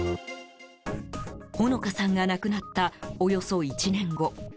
穂野香さんが亡くなったおよそ１年後。